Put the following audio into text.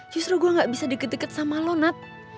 justru gue gak bisa deket deket sama lo nat